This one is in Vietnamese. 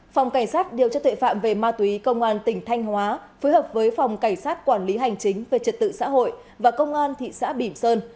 phòng cảnh sát điều tra tuệ phạm về ma túy công an tỉnh thanh hóa phối hợp với phòng cảnh sát quản lý hành chính về trật tự xã hội và công an thị xã bỉm sơn